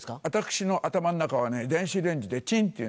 私の頭の中はね電子レンジでチン！